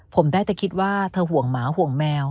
ผมได้แต่คิดว่าเธอห่วงหมาห่วงแมว